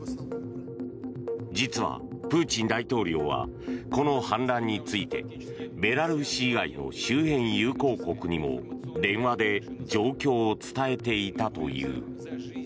実はプーチン大統領はこの反乱についてベラルーシ以外の周辺友好国にも電話で状況を伝えていたという。